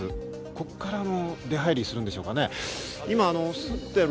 ここからも出入りするんでしょうかね。